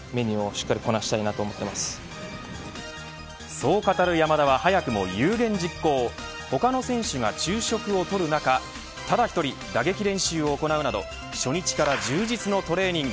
そう語る山田は早くも有言実行他の選手が昼食をとる中ただ１人、打撃練習を行うなど初日から充実のトレーニング。